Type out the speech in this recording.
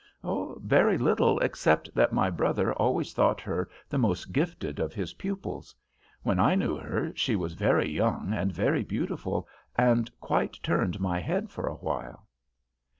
"Very little, except that my brother always thought her the most gifted of his pupils. When I knew her she was very young and very beautiful, and quite turned my head for a while."